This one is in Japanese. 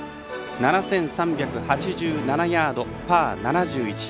７３８７ヤード、パー７１。